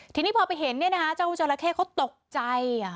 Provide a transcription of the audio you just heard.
ทีนี้พอจะเห็นเจ้าเจอราแค่เขาตกใจ